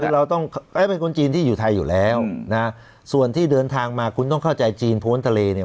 คือเราต้องเป็นคนจีนที่อยู่ไทยอยู่แล้วนะส่วนที่เดินทางมาคุณต้องเข้าใจจีนพ้นทะเลเนี่ย